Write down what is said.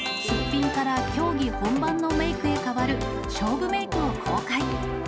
すっぴんから競技本番のメークへ変わる勝負メークを公開。